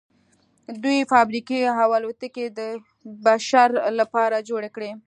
دوی فابریکې او الوتکې د بشر لپاره جوړې کړې